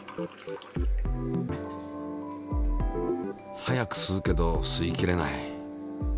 速く吸うけど吸いきれない。